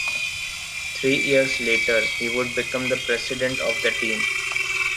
Three years later he would become the president of the team.